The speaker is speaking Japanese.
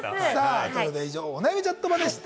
以上、お悩みチャットバでした。